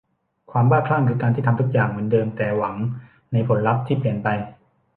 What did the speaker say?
ความบ้าคลั่งคือการที่ทำทุกอย่างเหมือนเดิมแต่หวังในผลลัพธ์ที่เปลี่ยนไป